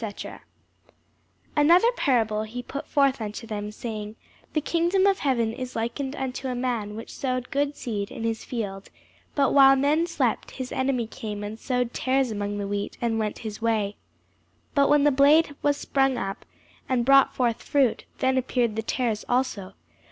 [Sidenote: St. Matthew 13] ANOTHER parable put he forth unto them, saying, The kingdom of heaven is likened unto a man which sowed good seed in his field: but while men slept, his enemy came and sowed tares among the wheat, and went his way. But when the blade was sprung up, and brought forth fruit, then appeared the tares also.